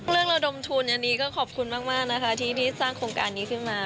ระดมทุนอันนี้ก็ขอบคุณมากนะคะที่สร้างโครงการนี้ขึ้นมา